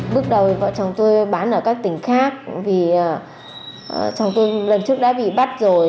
bước đầu vợ chồng tôi bán ở các tỉnh khác vì chồng tôi lần trước đã bị bắt rồi